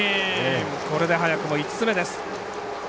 これで早くも５つ目です。